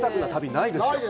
ないですね。